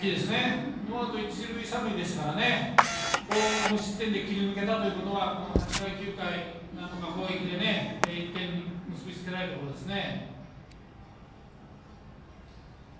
ノーアウト一塁三塁でしたからここを無失点で切り抜けたということは８回、９回なんとか攻撃で１点に結び付けられるところですね。